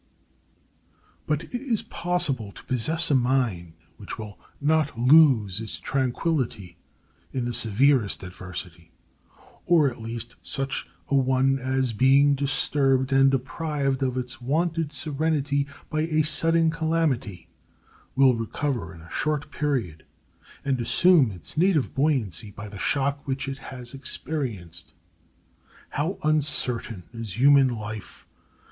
But it is possible to possess a mind which will not lose its tranquillity in the severest adversity, or at least such a one as, being disturbed and deprived of its wonted serenity by a sudden calamity, will recover in a short period, and assume its native buoyancy by the shock which it has experienced. How uncertain is human life!